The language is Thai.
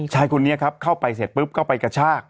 ชายคนนี้ครับเข้าไปเสร็จปุ๊บก็ไปกระชาก